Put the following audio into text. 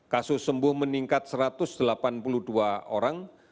kasus sembuh meningkat satu ratus delapan puluh dua orang